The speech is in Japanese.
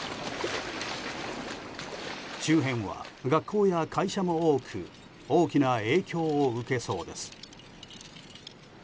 周辺は学校や会社も多く大きな影響を受けそうです。